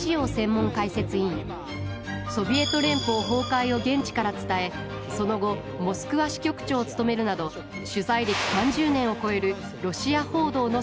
ソビエト連邦崩壊を現地から伝えその後モスクワ支局長を務めるなど取材歴３０年を超えるロシア報道の専門家です